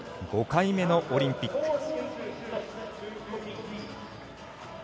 ５回目のオリンピック。